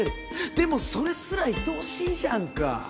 でもそれすら愛おしいじゃんか。